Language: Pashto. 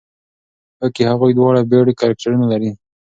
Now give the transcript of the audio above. هوکې هغوی دواړه بېل کرکټرونه لري.